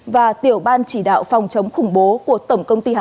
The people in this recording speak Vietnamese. và tiểu ban chỉ đạo phòng chống khủng bố